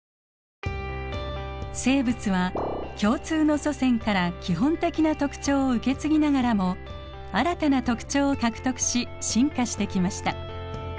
生物は共通の祖先から基本的な特徴を受け継ぎながらも新たな特徴を獲得し進化してきました。